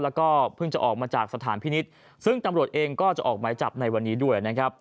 แล้วก็เพิ่งจะออกมาจากสถานพินิษฐ์ซึ่งตำรวจเองก็จะออกหมายจับในวันนี้ด้วยนะครับ